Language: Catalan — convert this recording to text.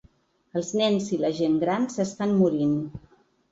Els nens i la gent gran s’estan morint.